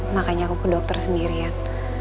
makanya aku ke dokter sendirian